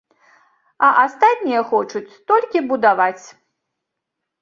А астатнія хочуць толькі будаваць.